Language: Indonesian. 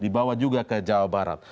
dibawa juga ke jawa barat